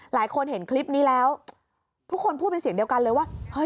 หลายคนเห็นคลิปนี้แล้วทุกคนพูดเป็นเสียงเดียวกันเลยว่าเฮ้ย